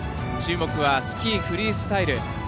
注目はスキー・フリースタイル。